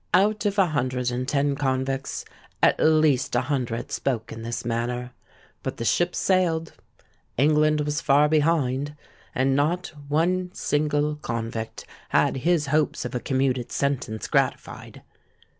'—Out of a hundred and ten convicts, at least a hundred spoke in this manner. But the ship sailed,—England was far behind,—and not one single convict had his hopes of a commuted sentence gratified.